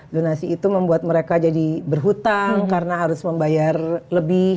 donasi itu membuat mereka jadi berhutang karena harus membayar lebih